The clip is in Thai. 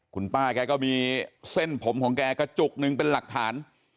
คุณป้าแกก็มีเส้นผมของแกกระจุกหนึ่งเป็นหลักฐาน